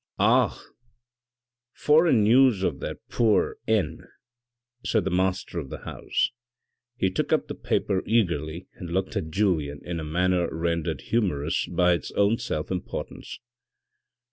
" Ah ! foreign news of that poor N —" said the master of the house. He took up the paper eagerly and looked at Julien in a manner rendered humorous by its own self mportance.